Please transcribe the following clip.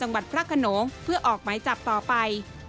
จังหวัดพระโขนงเพื่อออกไหมจับต่อไป